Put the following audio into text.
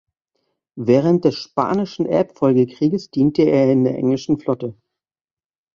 Während des Spanischen Erbfolgekrieges diente er in der englischen Flotte.